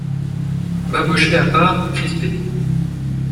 Babochet à part, crispé.